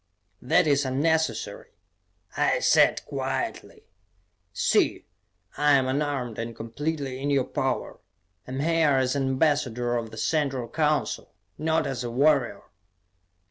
"That is unnecessary," I said quietly. "See, I am unarmed and completely in your power. I am here as an ambassador of the Central Council, not as a warrior."